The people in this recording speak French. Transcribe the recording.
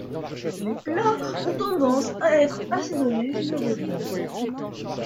Les plats ont tendance à être assaisonnés généreusement.